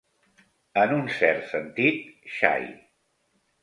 En un cert sentit, xai.